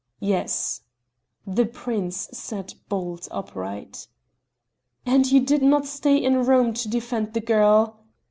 "Yes." The prince sat bolt upright. "And you did not stay in Rome to defend the girl?"